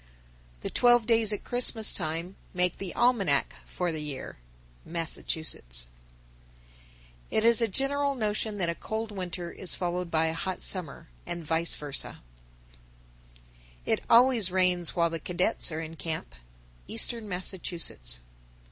_ 956. The twelve days at Christmas time make the almanac for the year. Massachusetts. 957. It is a general notion that a cold winter is followed by a hot summer, and vice versa. 958. It always rains while the Cadets are in camp. _Eastern Massachusetts.